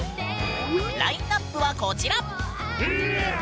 ラインナップはこちら！